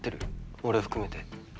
俺含めて。